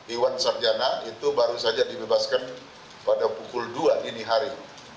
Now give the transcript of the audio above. iwan sarjana itu baru saja dibebaskan pada pukul dua dini hari